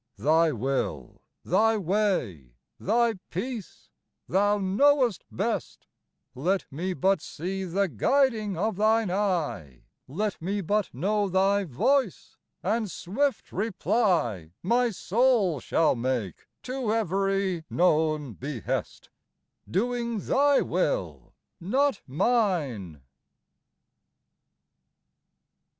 Thy will, Thy way, Thy peace, Thou knowest best; Let me but see the guiding of Thine eye, Let me but know Thy voice, and swift reply My soul shall make to every know behest, Doing Thy will, not mine.